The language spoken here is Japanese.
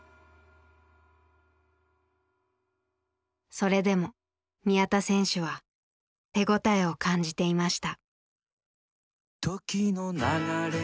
それでも宮田選手は手応えを感じていました。